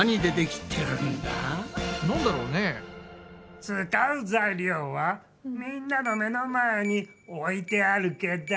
使う材料はみんなの目の前に置いてあるけど。